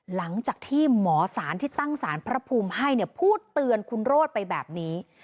หลังจากที่หมอสารที่ตั้งสารพระภูมิให้เนี่ยพูดเตือนคุณโรธไปแบบนี้